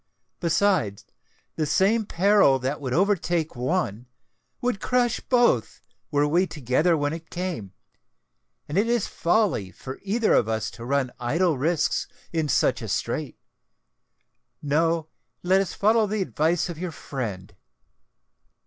Besides, the same peril that would overtake one, would crush both, were we together when it came; and it is folly for either of us to run idle risks in such a strait. No—let us follow the advice of your friend."